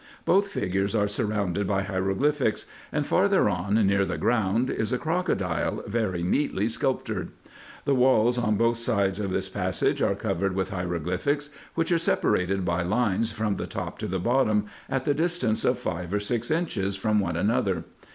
Both figures are surrounded by hieroglyphics ; and farther on, near the ground, is a crocodile very neatly sculptured. The walls on both sides of this passage are covered with hieroglyphics, which are separated by lines from the top to the bottom, at the distance of five or six inches from one another.